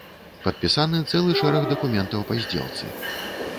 Падпісаны цэлы шэраг дакументаў па здзелцы.